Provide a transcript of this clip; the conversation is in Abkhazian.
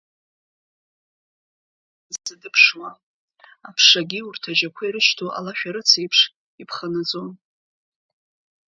Нас еиҭах аԥсҭҳәақәа хыҵаанӡа дыԥшуан, аԥшагьы урҭ, ажьақәа ирышьҭоу алашәарыцеиԥш, иԥханаҵон.